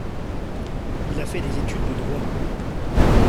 Il a fait des études de droit.